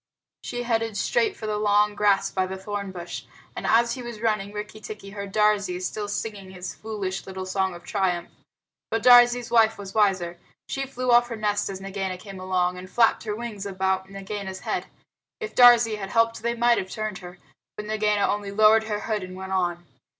She headed straight for the long grass by the thorn bush, and as he was running Rikki tikki heard Darzee still singing his foolish little song of triumph. But Darzee's wife was wiser. She flew off her nest as Nagaina came along, and flapped her wings about Nagaina's head. If Darzee had helped they might have turned her, but Nagaina only lowered her hood and went on.